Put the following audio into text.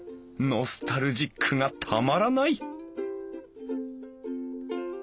ノスタルジックがたまらない！